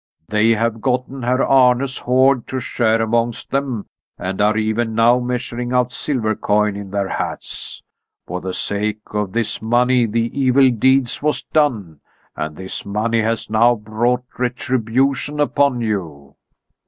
They have gotten Herr Arne's hoard to share amongst them, and are even now measuring out silver coin in their hats. For the sake of this money the evil deed was done, and this money has now brought retribution upon you."